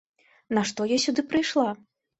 Нашто я сюды прыйшла?